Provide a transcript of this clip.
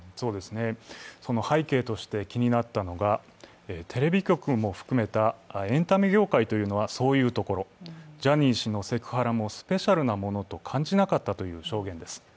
その背景として気になったのが、テレビ局も含めたエンタメ業界というのはそういうところ、ジャニー氏のセクハラもスペシャルなものとは感じなかったという証言です。